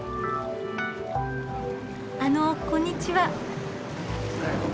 あのこんにちは。